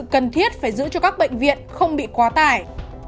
cần thiết phải giữ cho các bệnh viện không bị quá tải